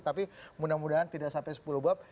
tapi mudah mudahan tidak sampai sepuluh bab